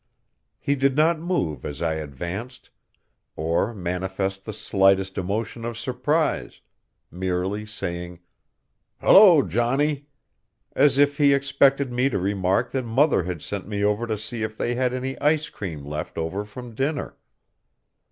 He did not move as I advanced, or manifest the slightest emotion of surprise, merely saying, "Hullo, Johnny," as if he expected me to remark that mother had sent me over to see if he had any ice cream left over from dinner.